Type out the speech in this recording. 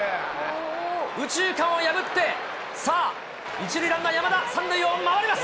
右中間を破ってさあ、１塁ランナー、山田、３塁を回ります。